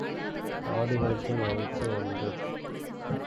ஆடுகளத்தின் அமைப்பு ஒன்று.